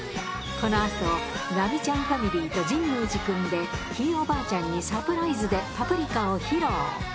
このあと、ラミちゃんファミリーと神宮寺君で、ひいおばあちゃんにサプライズでパプリカを披露。